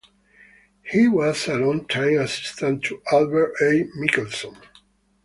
He was a longtime assistant to Albert A. Michelson.